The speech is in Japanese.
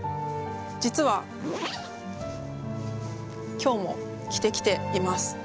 実は今日も着てきています。